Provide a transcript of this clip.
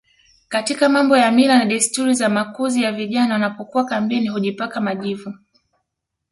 katika mambo ya mila na desturi za makuzi ya vijana Wanapokuwa kambini hujipaka majivu